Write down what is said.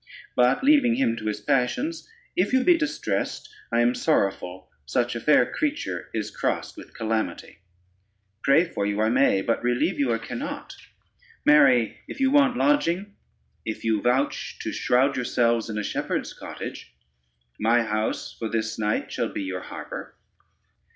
But leaving him to his passions, if you be distressed, I am sorrowful such a fair creature is crossed with calamity; pray for you I may, but relieve you I cannot. Marry, if you want lodging, if you vouch to shroud yourselves in a shepherd's cottage, my house for this night shall be your harbor."